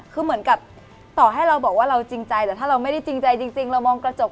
คือเหมือนกับต่อให้เราบอกว่าเราจริงใจแต่ถ้าเราไม่ได้จริงใจจริงเรามองกระจก